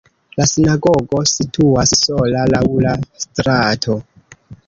La sinagogo situas sola laŭ la strato.